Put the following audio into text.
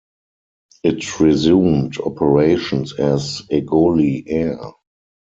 It resumed operations as Egoli Air.